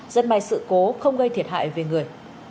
rất may sự cố không gây thiệt hại về người